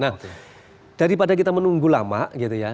nah daripada kita menunggu lama gitu ya